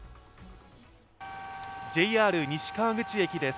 ＪＲ西川口駅です。